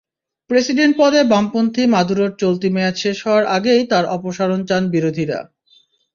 President পদে বামপন্থী মাদুরোর চলতি মেয়াদ শেষ হওয়ার আগেই তাঁর অপসারণ চান বিরোধীরা।